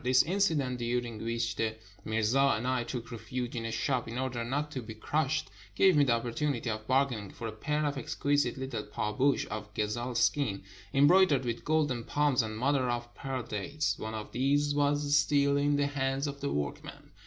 This incident, during which the mirza and I took refuge in a shop in order not to be crushed, gave me the opportunity of bargaining for a pair of exquisite Httle pahboush of gazelle skin, embroidered with golden palms and mother of pearl dates. One of these was still in the hands of the workmen.